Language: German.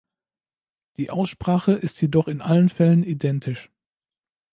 Die Aussprache ist jedoch in allen Fällen identisch.